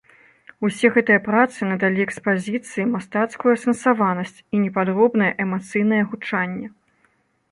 Усе гэтыя працы надалі экспазіцыі мастацкую асэнсаванасць і непадробнае эмацыйнае гучанне.